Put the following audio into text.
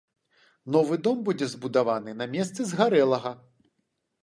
Новы дом будзе збудаваны на месцы згарэлага.